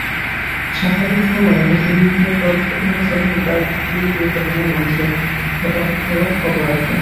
স্বাভাবিক সময়ে দেশের বিভিন্ন সড়ক-মহাসড়কে প্রায় প্রতিদিনই দুর্ঘটনায় মানুষের হতাহত হওয়ার খবর আসে।